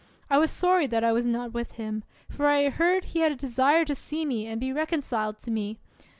I was sorry that I was not with him, for I heard he had a desire to see me and be reconciled to me.